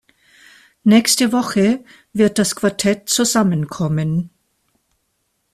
Nächste Woche wird das Quartett zusammenkommen.